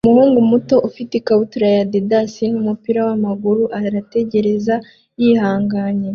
Umuhungu muto ufite ikabutura ya Adidas numupira wamaguru arategereza yihanganye